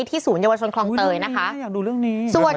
เป็นการกระตุ้นการไหลเวียนของเลือด